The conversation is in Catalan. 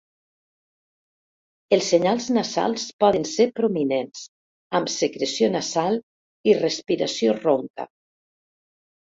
Els senyals nasals poden ser prominents, amb secreció nasal i respiració ronca.